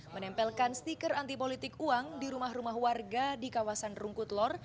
menempelkan stiker anti politik uang di rumah rumah warga di kawasan rungkut lor